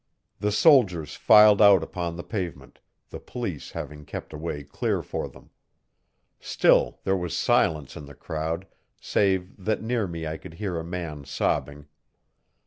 The soldiers filed out upon the pavement, the police having kept a way clear for them, Still there was silence in the crowd save that near me I could hear a man sobbing.